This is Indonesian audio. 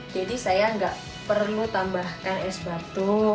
jadi saya nggak perlu tambahkan es batu